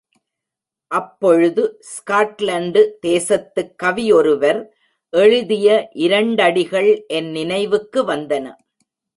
அப்பொழுது ஸ்காட்லண்டு தேசத்துக் கவியொருவர் எழுதிய இரண்டடிகள் என் நினைவிற்கு வந்தன.